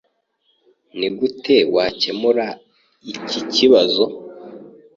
Nigute wakemura iki kibazo?